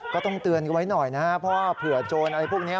ก็ต้องเตือนกันไว้หน่อยนะครับเพราะว่าเผื่อโจรอะไรพวกนี้